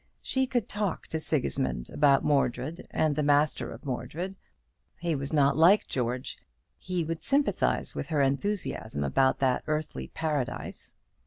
She could talk to Sigismund about Mordred and the master of Mordred. He was not like George, and he would sympathize with her enthusiasm about that earthly paradise.